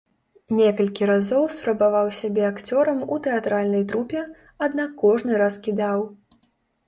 Некалькі разоў спрабаваў сябе акцёрам у тэатральнай трупе, аднак кожны раз кідаў.